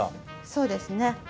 そうですね。